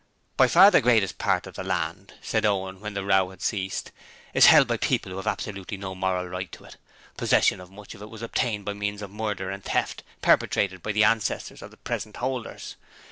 'By far the greatest part of the land,' said Owen when the row had ceased, 'is held by people who have absolutely no moral right to it. Possession of much of it was obtained by means of murder and theft perpetrated by the ancestors of the present holders.